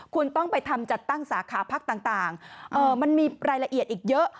คุณต้องไปทำจัดตั้งสาขาพักต่างมันมีรายละเอียดอีกเยอะ